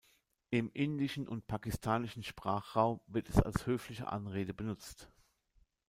Im indischen und pakistanischen Sprachraum wird es als höfliche Anrede benutzt.